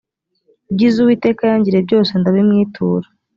ibyiza uwiteka yangiriye byose ndabimwitura